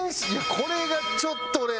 これがちょっと俺。